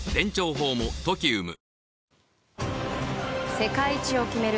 世界一を決める